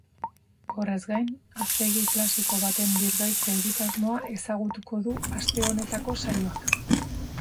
Horrez gain, haztegi klasiko baten birgaitze-egitasmoa ezagutuko du aste honetako saioak.